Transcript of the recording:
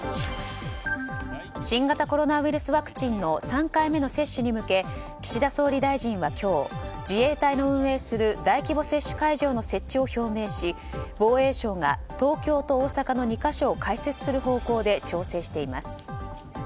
新型コロナウイルスワクチンの３回目の接種に向け岸田総理大臣は今日自衛隊の運営する大規模接種会場の設置を表明し、防衛省が東京と大阪の２か所を開設する方向で調整しています。